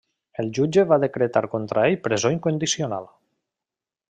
El jutge va decretar contra ell presó incondicional.